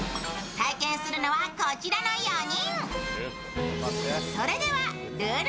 体験するのはこちらの４人。